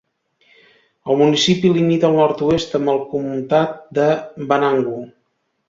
El municipi limita al nord-oest amb el comtat de Venango.